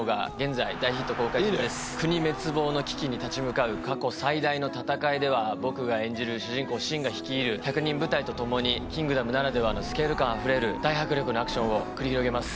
国滅亡の危機に立ち向かう過去最大の戦いでは僕が演じる主人公信が率いる百人部隊と共に『キングダム』ならではのスケール感あふれる大迫力のアクションを繰り広げます。